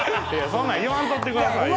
そんなん言わんとってくださいよ。